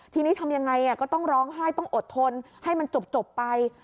ทีนี้ทำยังไงก็ต้องร้องไห้ต้องอดทนให้มันจบไป